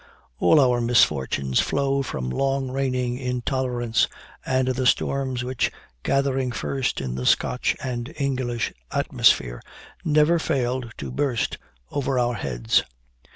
All our misfortunes flow from long reigning intolerance and the storms which, gathering first in the Scotch and English atmosphere, never failed to burst over our heads.